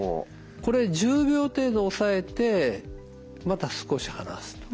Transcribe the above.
これ１０秒程度押さえてまた少し離すと。